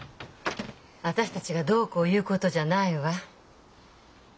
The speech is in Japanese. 私たちがどうこう言うことじゃないわ。